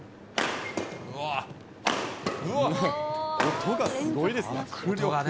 音がすごいですね。